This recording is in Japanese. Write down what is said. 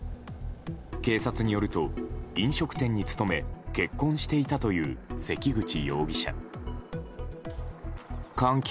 警察によると飲食店に勤め結婚していたという関口容疑者。